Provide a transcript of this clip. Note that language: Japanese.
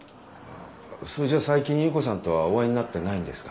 それじゃ最近夕子さんとはお会いになってないんですか。